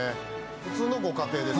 普通のご家庭です。